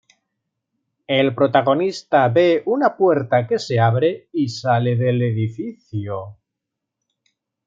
El protagonista ve una puerta que se abre y sale del edificio.